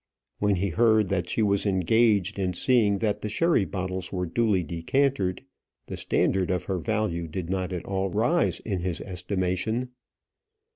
When he heard that she was engaged in seeing that the sherry bottles were duly decantered, the standard of her value did not at all rise in his estimation.